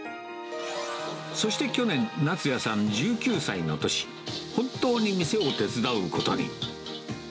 そして去年、夏也さん１９歳の年、本当に店を手伝うことに。